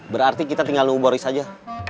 berarti kita tinggal nunggu boris saja